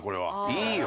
いいよ！